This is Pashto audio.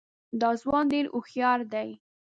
دا ځوان ډېر هوښیار دی.